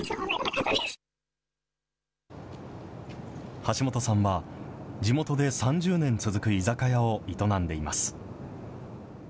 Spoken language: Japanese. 橋本さんは、地元で３０年続く居酒屋を営んでいます。